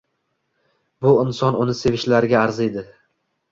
Bu inson uni sevishlariga arziydi.